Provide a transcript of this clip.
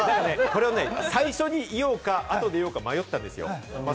これをね、最初に言おうか、後で言おうか迷ったんですよ。